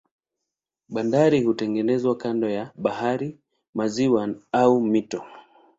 Bandari hutengenezwa kando ya bahari, maziwa au mito.